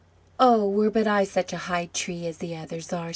"Oh, were I but such a high tree as the others are!"